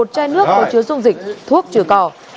một chai nước có chứa dung dịch thuốc trừ cỏ